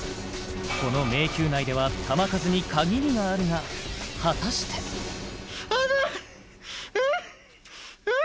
この迷宮内では弾数に限りがあるが果たしてあれっえっえっ